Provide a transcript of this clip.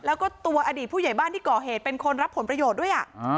แล้วก็ตัวอดีตผู้ใหญ่บ้านที่ก่อเหตุเป็นคนรับผลประโยชน์ด้วย